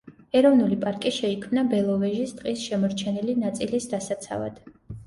ეროვნული პარკი შეიქმნა ბელოვეჟის ტყის შემორჩენილი ნაწილის დასაცავად.